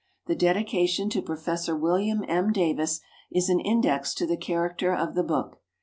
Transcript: The dedication to Professor William M. Davis is an index to the character of the book.